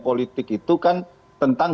politik itu kan tentang